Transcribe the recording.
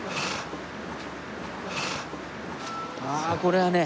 ああこれはね